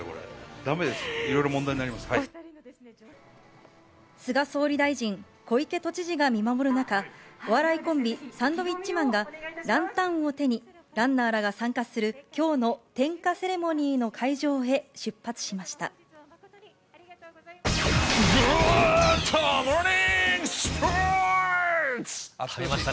だめです、いろいろ問題にな菅総理大臣、小池都知事が見守る中、お笑いコンビ、サンドウィッチマンがランタンを手に、ランナーらが参加する、きょうの点火セレモニーの会場へ出発しました。